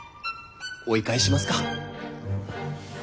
追い返しますか。